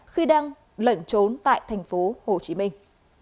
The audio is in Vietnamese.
khi đang lẩn trốn tại thành phố hồ chí minh